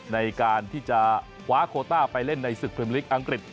ในการที่จะคว้าโคต้าไปเล่นในศึกพิมพลิกอังกฤษ